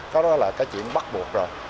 cái đó là cái chuyện bắt buộc rồi